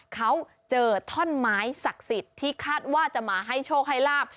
เขาเจอท่อนไม้ศักดิ์สิทธิ์ที่คาดว่าจะมาให้โชคให้ลาบ